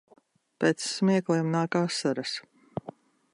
Pēc smiekliem nāk asaras.